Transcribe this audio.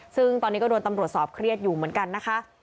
ซึ่งตอนนี้ก็โดนตำรวจสอบเครียดอยู่เหมือนกันนะคะ